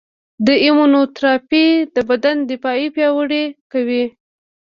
د ایمونوتراپي د بدن دفاع پیاوړې کوي.